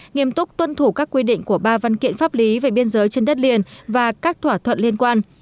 nghiêm túc tuân thủ các quy định của ba văn kiện pháp lý về biên giới trên đất liền và các thỏa thuận liên quan